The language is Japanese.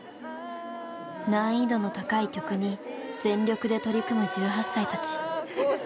難易度の高い曲に全力で取り組む１８歳たち。